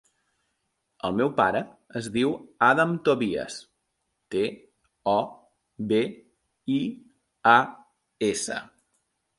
El meu pare es diu Adam Tobias: te, o, be, i, a, essa.